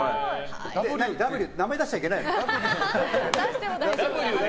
Ｗって名前出しちゃいけないの？